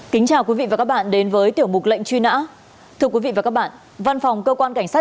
tiếp theo sẽ là thông tin về truy nã tội phạm